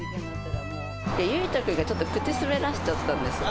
ゆいと君がちょっと口を滑らせちゃったんです。